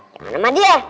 gimana mah dia